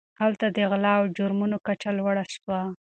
هلته د غلا او جرمونو کچه لوړه سوه.